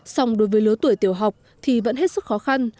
xong đối với lứa tuổi tiểu học thì vẫn hết sức khó khăn